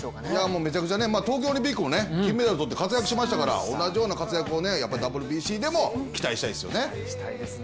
めちゃくちゃ東京オリンピックも金メダル取って活躍しましたから、同じような活躍をＷＢＣでも期待したいですよね